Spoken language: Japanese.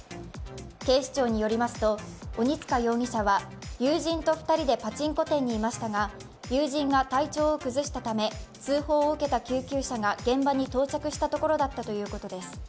警視庁によりますと、鬼束容疑者は友人と２人でパチンコ店にいましたが友人が体調を崩したため通報を受けた救急車が現場に到着したところだったということです。